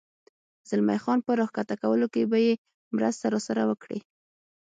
زلمی خان په را کښته کولو کې به یې مرسته راسره وکړې؟